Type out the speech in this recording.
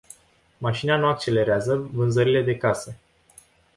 Mașina nu accelerează vânzările de case.